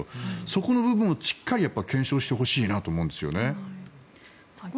そこの部分をしっかり検証してほしいなと思うんですよね。